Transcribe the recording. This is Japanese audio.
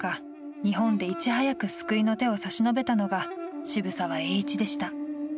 日本で、いち早く救いの手を差し伸べたのが渋沢栄一でした。